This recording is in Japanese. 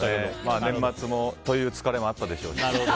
年末もという疲れもあったでしょうし